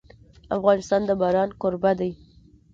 افغانستان د باران کوربه دی.